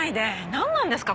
なんなんですか？